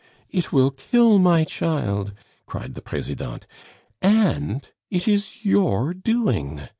"It will kill my child!" cried the Presidente, "and it is your doing!"